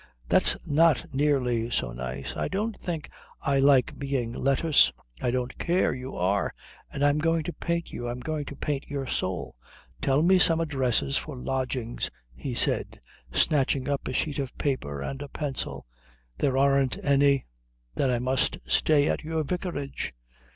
"That's not nearly so nice. I don't think I like being lettuce." "I don't care. You are. And I'm going to paint you. I'm going to paint your soul. Tell me some addresses for lodgings," he said, snatching up a sheet of paper and a pencil. "There aren't any." "Then I must stay at your vicarage."